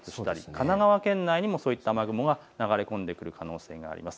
神奈川県内にも雨雲が流れ込んでくる可能性があります。